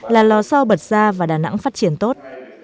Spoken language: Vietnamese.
là lò so bật ra và đà nẵng phát triển tốt